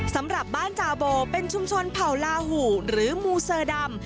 สำหรับบ้านจาโบเป็นชุมชนเผ่าลาหูหรือมูเซอร์ดำ